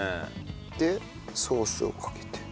でソースをかけて。